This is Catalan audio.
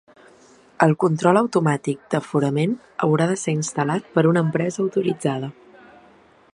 El control automàtic d'aforament haurà de ser instal·lat per una empresa autoritzada.